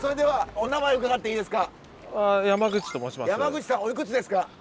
おいくつですか？